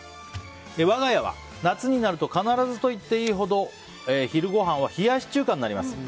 我が家は夏になると必ずと言っていいほどの昼ごはんは冷やし中華になります。